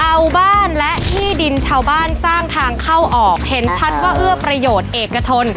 ชาวบ้านและที่ดินชาวบ้านสร้างทางเข้าออกเห็นชัดว่าเอื้อประโยชน์เอกชน